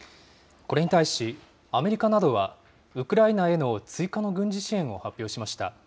これに対し、アメリカなどは、ウクライナへの追加の軍事支援を発表しました。